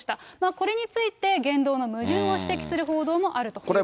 これについて、言動の矛盾を指摘する報道もあるということです。